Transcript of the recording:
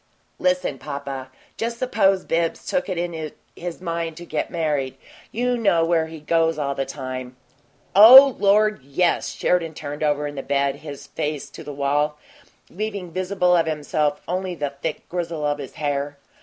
"Listen, papa. Just suppose Bibbs took it into his mind to get married. You know where he goes all the time " "Oh, Lord, yes!" Sheridan turned over in the bed, his face to the wall, leaving visible of himself only the thick grizzle of his hair.